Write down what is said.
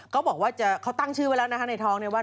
เขาบอกว่าเขาตั้งชื่อไว้แล้วนะคะในท้องเนี่ยว่า